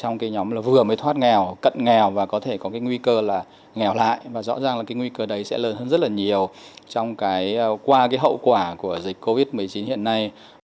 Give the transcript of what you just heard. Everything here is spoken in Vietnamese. nguy cơ là nghèo lại và rõ ràng là cái nguy cơ đấy sẽ lớn hơn rất là nhiều qua cái hậu quả của dịch covid một mươi chín hiện nay